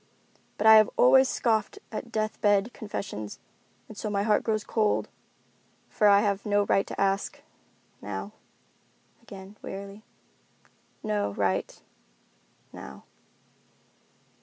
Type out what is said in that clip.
But I have always scoffed at death bed confessions, and so my heart grows cold, for I have no right to ask—now." Again, wearily, "No right—now."